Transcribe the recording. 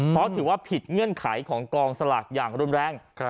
เพราะถือว่าผิดเงื่อนไขของกองสลากอย่างรุนแรง